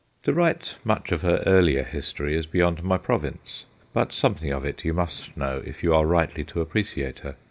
To write much of her earlier history is beyond my province, but something of it you must know if you are rightly to ap preciate her.